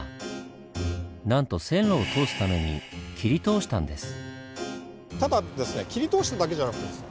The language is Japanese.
なんと線路を通すために切り通したんです。